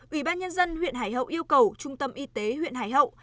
ủy ban nhân dân huyện hải hậu yêu cầu trung tâm y tế huyện hải hậu